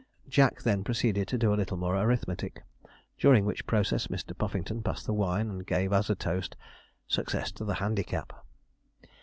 Jack then proceeded to do a little more arithmetic, during which process Mr. Puffington passed the wine and gave as a toast 'Success to the handicap.'